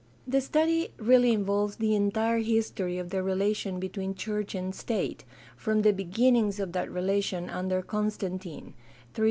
The study really involves the entire history of the relation between church and state, from tne beginnings of that relation under Constantine (312 36).